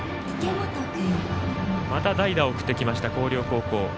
また代打を送ってきました広陵高校。